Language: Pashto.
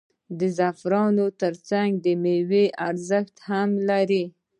د زعفرانو ترڅنګ میوې هم ارزښت لري.